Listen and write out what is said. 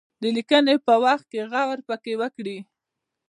د لیکني په وخت کې غور پکې وکړي.